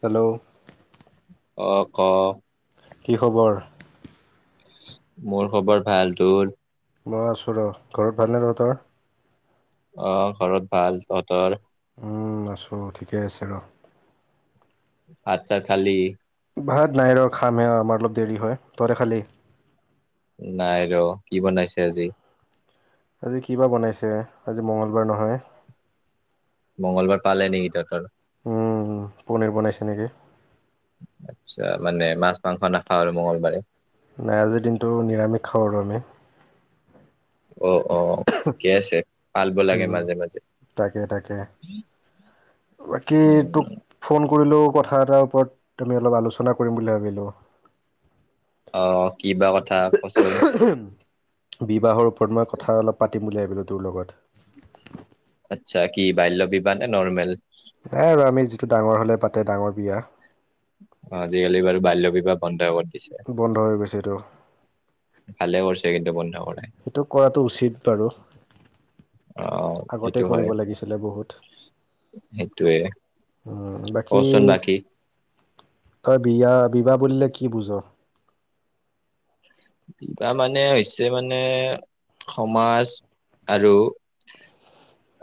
Hello, অ, ক? কি খবৰ? মোৰ খবৰ ভাল তোৰ? মই আছো ৰ ঘৰত ভালনে তহতৰ? অ, ঘৰত ভাল তহতৰ। আছো ঠিকে আছে আৰু। ভাত চাত খালি। ভাত নাই ৰ খামহে আমাৰ অলপ দেৰি হয় তইতে খালি? নাই ৰ কি বনাইছে আজি? আজি কিবা বনাইছে আজি মঙ্গলবাৰ নহয় মঙগলবাৰ পালে নেকি তহত আৰু উম পনীৰ বনাইছে নেকি আচা মানে মাছ মাংস নাখাওঁ আৰু মঙগলবাৰে নাই আজিৰ দিনটো নিৰামিষ খাওঁ আৰু আমি অ অ ঠিকে আছে পাল লাগে উম মাজে মাজে তাকে তাকে বাকী তোক উম ফোন কৰিলো কথা এটাৰ ওপৰত আমি অলপ আলোচনা কৰিম বুলি ভাবিলো আহ ক বাা কথা কচোন বিবাহৰ ওপৰত মই কথা অলপ পাতিম বুলি ভাবিলোঁ তোৰ লগত আচ্ছা কি বাল্য বিবাহ নে নৰ্মেল নাই বু আমি যিটো ডাঙৰ হলে পাতে ডাঙৰ বিয়া অ আজিকালি বাৰু বাল্য বিবাহ বন্ধ হ'ত বন্ধ হৈ গৈছে এইটো ভালে কৰিছে কিন্তু বন্ধ কৰাই সেইটো কৰাটো উচিত বাৰু অ আগতে সেইটো কৰিব হয় লাগিছিলে বহুত সেইটোয়ে উ বাকী কচোন বাকী তই বিয়াত বিবাহ বুলিলে কি বুজ কিবাহ মানে হৈছে মানে সমাজ আৰু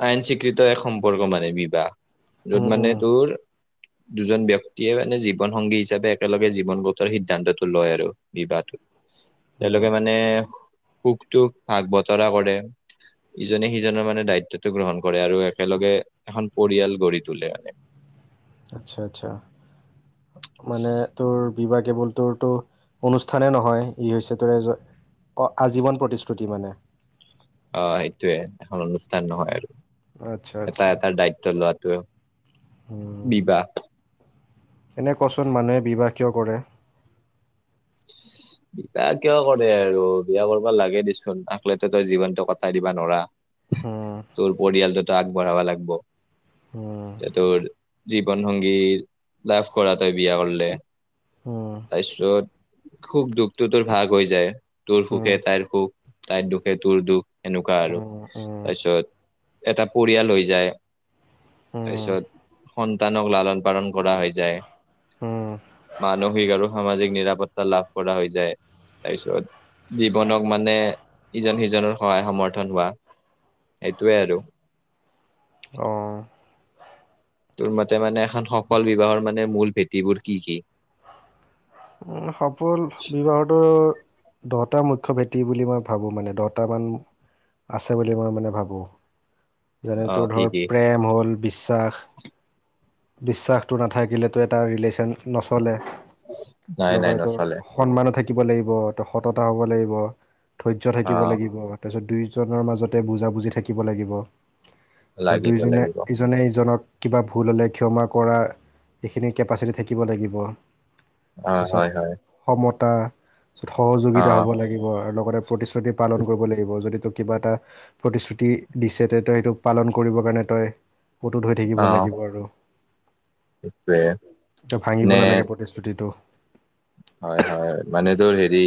আইন স্বীকৃত এক সম্পৰ্ক মানে বিবাহ য'ত মানে তোৰ উ দুজন ব্যয়ক্তিয়ে মানে জীৱন সংংগী হিচাপে একেলগে জীৱন গটোৱাৰ সিদ্ধান্তটো লয় আৰু বিবাহটোত উম তেওঁলোকে মানে সুখটোখ ভাগ বতৰা কৰে ইজনে সিজনৰ মানে দায়িত্বতটো গ্ৰহণ কৰে আৰু একেলগে এখন পৰিয়াল গঢ়ি তোলে মানে আচ্ছা আচ্ছা মানে তোৰ বিবাহ কেৱল তোৰতো অনুষ্ঠানে নহয় ই হৈছে তোৰে অ আজীৱন প্ৰতিশ্ৰুতি মানে আহ সেইটোয়ে এখন অনুষ্ঠান নহয় আৰু আচ্ছা এটা এটা দায়িত্ব লোৱাত ত উ এনে কোৱাচোন মানুহে বিবাহ কৰে বিয়া কিয় কৰে আৰু বিয়া কৰিবা লাগে দেচোন আকলেতে তই জীৱনতটো কটাই দিবা নৰা উম তোৰ পৰিয়ালটোতো আগবঢ়াবা লাগিব উম তে তোৰ জীৱন সংংগী লাভ কৰা তাই বিয়া কৰিলে উম তাৰপিছত সুখ দুখটো তোৰ ভাগ হৈ যায় তোৰ সুখে উম তাইৰ সুখ তাইৰ দুখে তোৰ দুখ এনেকুৱা আৰু উম উম তাৰপিছত এটা পৰিয়াল হৈ যায় উম তাৰপিছত সন্তানক লালন পালন কৰা হৈ যায় উম মানসিক আৰু সামাজিক নিৰাপত্তা লাভ কৰা হৈ যায় তাৰপিছত জীৱনক মানে ইজন সিজনৰ সহায় সমৰ্থন হোৱা এইটোৱে আৰু আহ তোৰ মতে মানে এখন সফল বিবাহৰ মানে মূল ভেটিবোৰ কি কি উ সফল বিবাহতো দহটা মুখ্য ভেটি বুলি মই ভাবো মানে দহট মান আছে বুলি মই মানে ভাবোঁ অ যেনেতো কি ধৰ কি প্ৰেম হ'ল বিশ্বাস বিশ্বাসটো নাথাকিলেতো এটা ৰিলেশ্যন নচলে উ লগতে তোৰ সন্মানো থাকিব থাকিব লাগিব ত সততা হ'ব লাগিব ধৈৰ্য্য থাকিব আহ লাগিব তাৰপিছত দুয়োজনৰ মাজতে বুজাবুজি থাকিব লাগিব তাৰছত লাগিব দুয়োজনে লাগিব ইজনে ইজনক কিবা ভুল হ'লে ক্ষমা কৰা এইখিনি কেপাচিটি থাকিব লাগিব হয় হয় হয় ত সহযোগিতা আহ হব লাগিব আৰু লগতে প্ৰতিশ্ৰুতি পালন কৰিব লাগিব যদি তোক কিবা এটা প্ৰতিশ্ৰুতি দিছে তে তই সেইটো পালন কৰিবৰ কাৰণে তই ফটো ধ হৈ থাকিব আহ লাগিব আৰু টোৱে এ ভাঙিব নে নালাগে প্ৰতিশ্ৰুতিটো হয় হয় মানে তোৰ হেৰি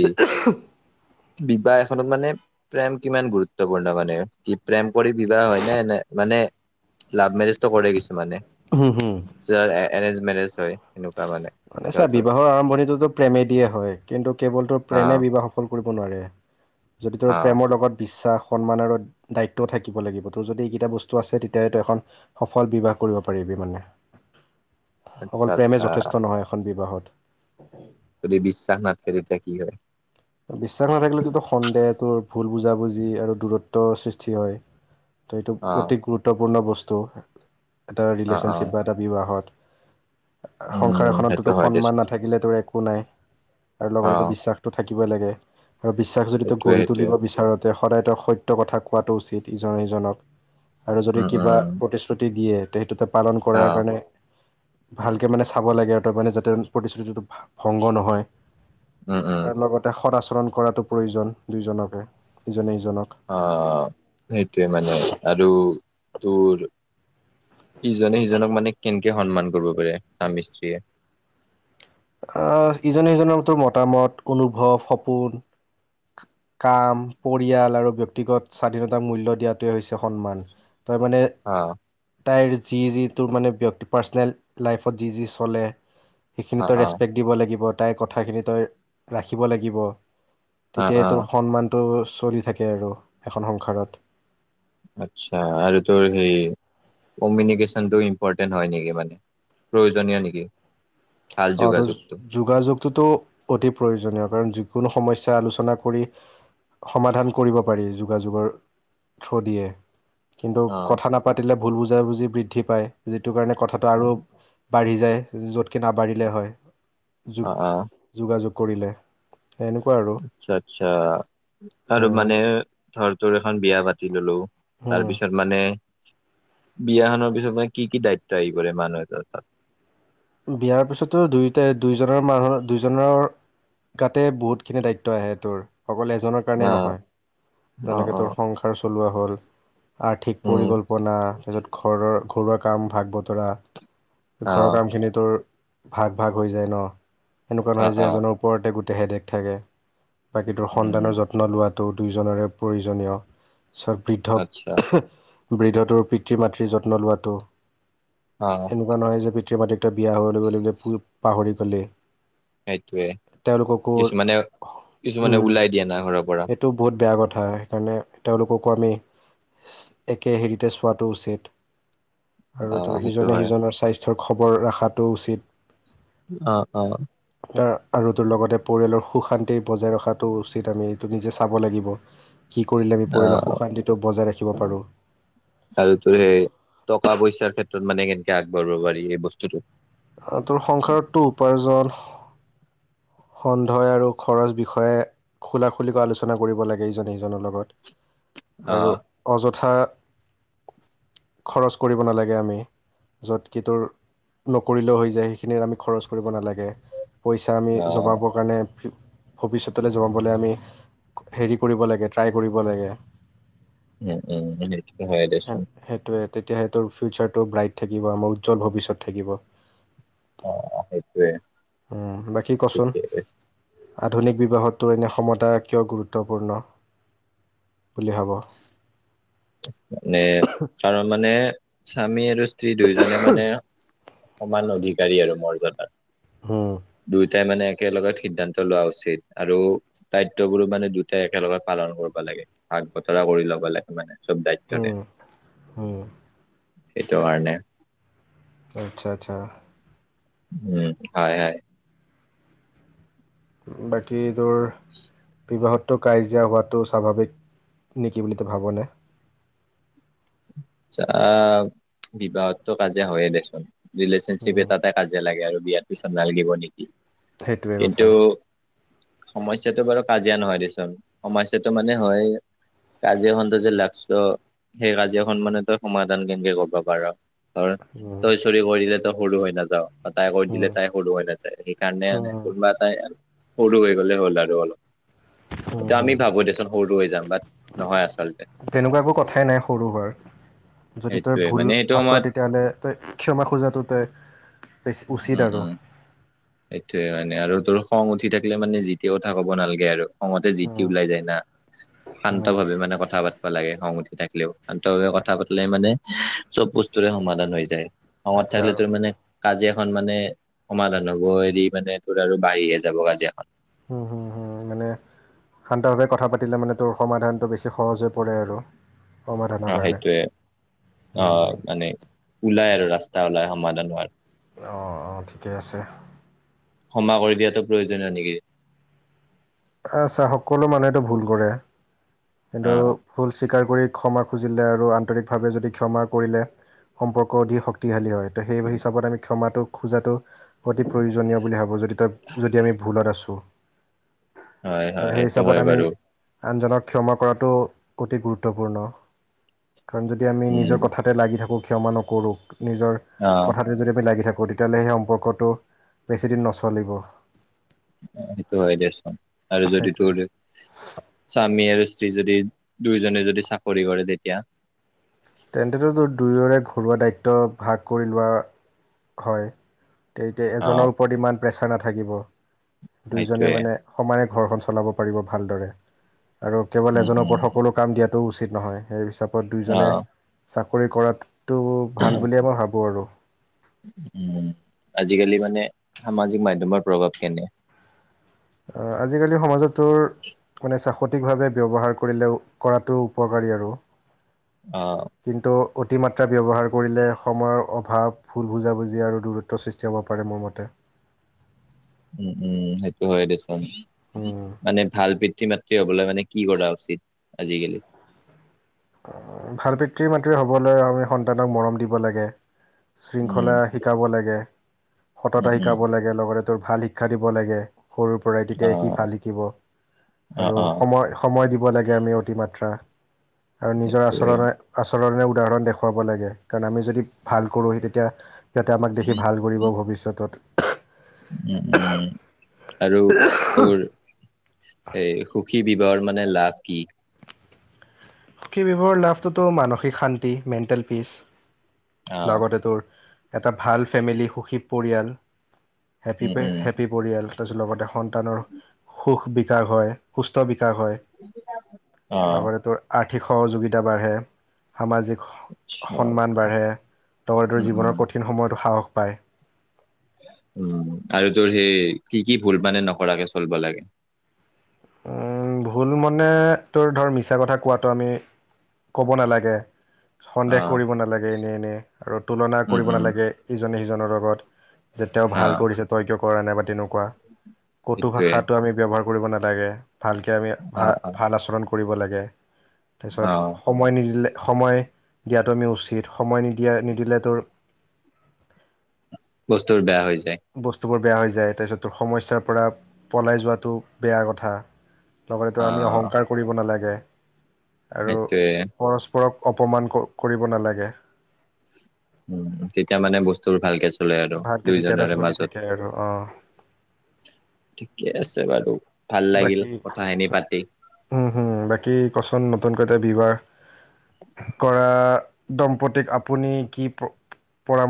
বিবাহ ত মানে প্ৰেম কিমান গুৰুত্বপূৰ্ণ মানে কি প্ৰেম কৰি বিবাহ হয় নে নে মানে লাভ মেৰিজটো কৰে কিছু মানে হম হু য এৰেঞ্জ মেৰেজ হয় সনেকুৱা মানে মানে চাৰ সিহঁতৰ বিবাহৰ আৰম্ভণিটোতো প্ৰেমে দিয়ে হয় কিন্তু কেৱলতটো অ প্ৰেমে বিবাহ সফল যদি তোৰ অ প্ৰেমৰ লগত বিশ্বাস সন্মানৰ দায়িত্ব থাকিব লাগিব ত' যদি এইকেইটা বস্তু আছে তেতিয়াহ' তো এখন সফল বিবাহ কৰিব পাৰিব আচ্ছা অকল প্ৰেমে আচ্ছা যথেষ্ট নহয় এখন বিবাহত তুমি বিশ্বাস নাথকে তেতিয়া কি হয় বিশ্বাস নাথাকিলেতো সন্দেহটোৰ ভুল বুজাবুজি আৰু দূৰত্বৰ সৃষ্টি হয় ত' এইটো অ অতি গুৰুত্বপূৰ্ণ বস্তু এটা অ অ ৰিলেশ্যনশ্বিপ বা এটা বিবাহত উম সংসাৰ সেইটো এখনতোতো হয় সন্মান দেচোন নাথাকিলে তোৰ একো নাই আৰু অ লগতেো বিশ্বাস থাকিব লাগে আৰু বিশ্বাস যদি তই সেইটোৱে গঢ়ি সেইটোৱে তুলিব বিচাৰ াতে সদায় তেওঁ সত্য় কথা কোৱাটো উচিত ইজনে সিজনক আৰু যদি উম কিবা উম প্ৰতিশ্ৰুতি দিয়ে তে সেইটোতে পালন অ কৰাৰ কাৰণে ভালকে মানে চাব লাগে আৰু তাৰ মানে যাতে প্ৰতিশ্ৰুতিটো ভংগ নহয় উম উম লগতে সদ আচৰণ কৰাতো প্ৰয়োজন দুইজনকে ইজনে সিজনক। আহ সেইটোৱে মানে আৰু তোৰ ইজনে সিজনক মানে কেনেকে সন্মান কৰিব পাৰে স্বামী স্ত্ৰীয়ে আহ ইজনে সিজনৰ তোৰ মতামত অনুভৱ সপোন কাম পৰিয়াল আৰু ব্যক্তিগত স্বাধীনতাক মূল্য দিয়াটোৱে হৈছে সন্মান তই মানে হা টাই যি যিটোোৰ মানে ব্যক্তি পাৰ্চনেল লাইফত যি যি চলে সেইখিনি অ', তই অ', ৰেচপেক্ট দিব লাগিব তাইৰ কথাখিনি তই ৰাখিব লাগিব অ তেতিয়াই অ তোৰ সন্মানটো চলি থাকে আৰু এখন সংসাৰত আচ্ছা আৰু তোৰ সেই কমিউনিকেশ্যনটো ইম্পৰটেণ্ট হয় নেকি মানে প্ৰয়োজনীয় নেকি ভাল অ ত যোগাযোগটো। যোগাযোগটোতো অতি প্ৰয়োজনীয় কাৰণ যিকোনো সমস্যা আলোচনা কৰি সমাধান কৰিব পাৰি যোগাযোগৰ থ দিয়ে কিন্তু অ', কথা নাপাতিলে ভুল বুজাবুজি বৃদ্ধি পায় যিটো কাৰণে কথাটো আৰু অ', বাঢ়ি যায় য'তকৈ নাবাঢ়িলে হয় যোগ অ', যোগাযোগ কৰিলে এনেকুৱা আৰু আচ্ছা আচ্ছা আৰু উম মানে থৰটোোৰ এখন বিয়া পাতি ললো তাৰ উম পিছত মানে বিয়াখনৰ পিছত মানে কি কি দায়িত্ব আহি পৰে মানুহেটা অ তাত বিয়াৰ পিছতো দুয়ইোটাই দুইজনৰ মানুহ দুইজনৰ তাতে বহুত খিনি দায়িত্ব আহে তোৰ অকল এজনৰ কাৰণেই অ', নহয় অ', যেনেকৈ তোৰ অ', সংসাৰ চলোৱা হ'ল আৰ্থিক উম, পৰিকল্পনা তাৰপিছত ঘৰৰ ঘৰুৱা কাম ভাগ বতৰা ঘৰৰ অ', কামখিনিতো ভাগ ভাগ হৈ যায় ন এনেকুৱা অ', নহয় যে অ', এজনৰ ওপৰতে গো দেহেদখ থাকে বাকী তৰ উম, সন্তানৰ যত্ন লোৱাটো দুয়োজৰে প্ৰয়োজনীয় আচ্ছা পিছত বৃদ্ধ বৃদ্ধটোৰ পিতৃ মাতৃৰ যত্ন লোৱাটো অ'। এনেকুৱা নহয় যে পিতৃ মাতৃকা বিয়া হলৈ পাহৰি গ'লে সেইটোয়ে তেওঁটউেল কুকুৰ কিছুমানে কিছুমানে উম ওলাই দিয়ে না ঘৰৰ পৰা এইটো বহুত বেয়া কথা সেইকাৰণে তেওঁলোকক কমেই একে হেৰিতেজ চোৱাটো উচিত অ আৰু তোৰ সেইটো ইজনে হয় সিজনৰ স্বাস্থ্যৰ খবৰ ৰখাতটো উচিত অ অ আৰু এইটোৰ লগতে পৰিয়ালৰ সুখ শান্তিৰ বজাই ৰখাটো উচিত আমি এইটো নিজে চাব লাগিব সি কৰিলে আমি অ পৰিয়ালৰ সুশান্তিটো বজাই ৰাখিব পাৰোঁ আৰু তোৰ সেই টকা পইচাৰ মানে ক্ষেত্ৰত কেনেকেণআগবাঢিব বাৰ এই বস্তুটো তোৰ সংসাৰতটো উপাৰ্জন সন্ধহ আৰু খৰচ বিষয়ে খোলা খুলিকৈ আলোচনা কৰিব লাগে ইজনে সিজনৰ লগত অ আৰু অযথা [unintelligible] খৰচ কৰিব নালাগে আমি য'ত কি তোৰ নকৰিলেও হৈ যায় সেইখিনিত আমি খৰচ কৰিব নালাগে পইচা আমি অ জমাবৰ কাৰণে ভৱিষ্যতলৈ জমাবলৈ আমি হেৰি কৰিব লাগে ট্ৰাই কৰিব লাগে উম উম সেইটো হয় দেচোন সেইটোৱে তেতিয়াহে তোৰ ফিউচাৰটো ব্ৰাইট থাকিব আমাৰ উজ্জল ভত থাকিব অ সেইটোৱে বাকী কচোন ঠিকে কৈছে আধুনিক বিবাহতত এনে ক্ষমতা কিয় গুৰুত্বপূৰ্ণ বুলি ভাব মানে কাৰণ মানে স্বামী আৰু স্ত্ৰী দুয়ইজনে মানে সমান অধিকাৰী আৰু মৰ্যাদা উম, দুই দুটাই মানে একেলগত সিদ্ধান্ত লোৱা উচিত আৰু দায়িত্ববোৰো মানে দুটাই একেলগে পালন কৰিব লাগে [unintelligible] চব দায়িত্বতে উম, উম সেইটো কাৰণে আচ্ছা আচ্ছা উম হয় হয় বাকী দৰ বিবাহত তটো কাজাজিয়া হোৱাটো স্বাভাৱিক নেকি বুলি ত ভাবনে চা বিবাহততটো কাজে হয়য়ে দেচোন ৰিলেশ্যনশ্বিপ উম এটাতেটা কাজে লাগে আৰু বিয়াৰ পিছত নালাগিব নেকি সেইটোৱে কিন্তু কথা সমস্যাটো বাৰু কাজিয়া নহয় দেচোন সমস্যাটো মানে হয় কাজিয় এখন ত যে লাগছ সেই কাজিয় সন্ মমানে তই সমাধান কেনেকে কৰিব পাৰ ত উম তই চৰি কৰিলে তই সৰু হৈ নাযাৱও তাই কৈ উম দিলে তাই সৰুো হয়াই সেইকাৰণে মানে উম কোনোবা এ তাই উৰু হৈ গ'লে হ'ল আৰু আৰু অলপ উম এটোয়া হুম আমি ভাবো দেচোন সৰুটো হৈ যাম বাট নহয় আচলতে তেনেকুৱা একো কথাই নাই সৰু যদি তই সেইটোয়ে ভুল মানে সেইটো আছ সময়ত তেতিয়াহ'লে তই ক্ষমা খোজাটো তই উচিত উম, আৰু উম সেইটোয়ে মানে আৰু তোৰ খং উঠি থাকিলে মানে জিতিয়া কথা কব নালাগে আৰু খঙতে জিতি উম ওলাই যায় না শান্ত উম ভাৱে মানে কথা পাবা লাগে খ উঠি থাকিলেও আন্তভাৱে কথা পাতলেে মানে চব বস্তুৰে সমাধান হৈ যায় খঙত আচ্ছা থাকিল তো মানে কাজিয়াখন মানে সমাধান হব এৰি মানে তোৰ আৰু বাঢ়িহে যাব কাজাখন উম হুম হুম মানে শান্তভাৱে কথা পাতিলে মানে তোৰ সমাধানটো বেছি সহজ হৈ পৰে আৰু সমাধানৰ আহ কাৰণে সেইটোৱে আহ উম মানে ওলাই আৰু ৰাস্তা ওলাই সমাধান হোৱাৰ অ অ ঠিকে আছে ক্ষমা কৰি দিয়াটো প্ৰয়োজনীয় নেকি আছা সকলো মানুহেতটো ভুল কৰে অ কিন্তু ভুল চিকাৰ ৰি ক্ষমা খুজিলে আৰু আন্তৰিকভাৱে যদি ক্ষমা কৰিলে সম্পৰ্ক অধিক শক্তিশালী হয় ত সেই হিচাপত আমি ক্ষমাটো খোজাটো অতি প্ৰয়োজনীয় বুলি ভাবো যদি তই যদি আমি ভুলত আছো হয় আৰু হয় সেই সেইটো হিচাপত হয় আমি বাৰু আনজনক ক্ষমা কৰাটো অতি গুৰুত্বপূৰ্ণ কাৰণ যদি আমি উম নিজৰ কথাতে লাগি থাকোঁ ক্ষমা নকৰোঁ নিজৰ অ কথাতে যদি আমি লাগি থাকোঁ গতিয়াহ'লে সেই সম্পৰ্কটো বেছিদিন নচলিব সেইটো হয় দেচাম আৰু যদি সেইটোৱে তোৰ স্বামী আৰু য দুইজনে যদি চাকৰি কৰে তেতিয়া তেন্তেেত দুয়োৰে ঘৰুৱা দায়িত্ব ভাগ কৰি লোৱা হয় তে এতিয়া আহ এজনৰ ওপৰত ইমান প্ৰেছাৰ নাথাকিব দুইোজনে সেইটোৱে মানে সমানে ঘৰখন চলাব পাৰিব ভালদৰে আৰু কেৱল উম এজনৰ উম ওপৰত সকলো কাম দিয়াত টো উচিত নহয় সেই হিচাপত দুইোজনে আহ চাকৰি কৰাত তটো ভাল বুলিয়ে মই ভাবোঁ আৰু আজিকালি মানে সামাজিক মাধ্্যমৰ প্ৰভাৱ কেনে আজিকালি সমাজতো মানে চ্বাকতিকভাৱে ব্য্ৱহাৰ কৰিলেও কৰাটো উপকাৰী আৰু আহ কিন্তু অতিমাত্ৰা ব্যৱহাৰ কৰিলে সময়ৰ অভাৱ ভুল বুজাবুজি আৰু দূৰত্বৰ সৃষ্টি হ'ব পাৰে মোৰ মতে উম উম সেইটো হয়ে দিচোন উম, মানে ভাল পিতৃ মাতৃ হবলৈ মানে কি কৰা উচিত আজিকালি ভাল পিতৃ মাতৃ হবলৈ আমি সন্তানক মৰম দিব লাগে উম শৃংখলা শিকাব লাগে উম সততা উম শিকাব লাগে লগতে তোৰ ভাল শিক্ষা দিব লাগে সৰুৰ পৰাই অ তেতিয়া সি ভাল শিকিব অ আৰু অ সময় সময় দিব আ মা চৰে উদাহৰণ সেইটোৱে দেখুৱাব লাগে কাৰণ আমি যদি ভাল কৰোঁহি তেতিয়া যাতে আমাক দেখি ভাল কৰিব ভৱিষ্যতত উ উ আৰু তোৰ এইু সুখী বিৱৰ মানে লাভ কি সুখী ব্যৱহৰ লাভটোতো মানসিক শান্তি মেণ্টেল পিছ আহ লগতে তোৰ এটা ভাল ফেমিলি সুখী পৰিয়াল হেপী উম উম হেপী পৰিয়াল তাৰপিছত লগতে সন্তানৰ সুখ বিকাশ হয় সুস্থ বি বিকাশ হয় অ লগতে তোৰ আৰ্থিক সহযোগিতা বাঢ়ে সামাজিক সন্মান বাঢ়ে লগতেৰ উম জীৱনৰ উম কঠিন সময়তো সাহস পায় উম আৰু তোৰ সেই কি কি ভুল মানে নকৰাৰাকৰাকে চলিব লাগে উম ভুল মনে তোৰ ধৰ মিছা কথা কোৱাটো আমি ক'ব নালাগে সন্দেহ অ', কৰিব নালাগে এনে এনে আৰু তুলনা উম, কৰিব উম, নালাগে ইজনে সিজনৰ লগত যে তেওঁ ভাল অ', কৰিছে তই কিয় কৰা নাইবা তেনেকুৱা ক'তো সেইটোয়ে ভাষাতো আমি ব্যৱহাৰ কৰিব নালাগে ভালকে আমি ভ অ', অ', ভাল আচৰণ কৰিব লাগে তাৰপিছত অ', সময় নিদিলে সময় দিয়াটো আমি উচিত সময় নিদিয়া নিদিলেতো বস্তুৰ বেয়া হৈ যায় বেয়া হৈ যায় তাৰপিছতোৰ সমস্যাৰ পৰা পলাই যোৱাটো বেয়া কথা লগতেো আমি অ', অহংকাৰ কৰিব নালাগে আৰু সেইটোয়ে পৰস্পৰক অপমান কৰিব নালাগে উম তেতিয়া মানে বস্তুোৰ ভালকে চ চলে আৰু ভালকে তেতিয়া এটা দুইোজৰে চলি থাকে আৰু অ মাজত ঠিকে আছে বাৰু ভাল লাগিল বাকী কথাখিনি পাতি উম হম বাকী কচন নতুনকৈটা বি বাৰ কৰা দম্পতিক আপুনি কি পৰামৰ্